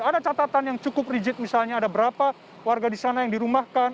ada catatan yang cukup rigid misalnya ada berapa warga di sana yang dirumahkan